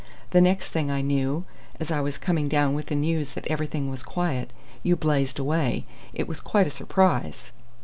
The next thing I knew, as I was coming down with the news that everything was quiet, you blazed away. It was quite a surprise."